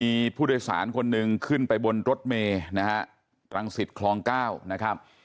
มีผู้โดยสารคนหนึ่งขึ้นไปบนรถเมย์นะฮะรังสิตคลองเก้านะครับ